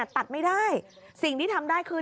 ตัดไม่ได้สิ่งที่ทำได้คือ